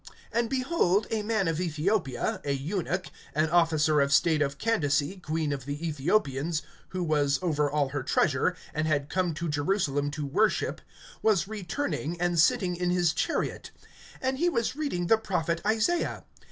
And behold, a man of Ethiopia, a eunuch, an officer of state of Candace queen of the Ethiopians, who was over all her treasure, and had come to Jerusalem to worship, (28)was returning, and sitting in his chariot; and he was reading the prophet Isaiah.